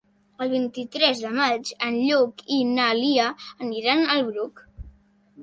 El vint-i-tres de maig en Lluc i na Lia aniran al Bruc.